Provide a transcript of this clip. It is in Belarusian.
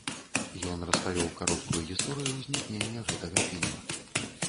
Ён распавёў кароткую гісторыю ўзнікнення гэтага фільма.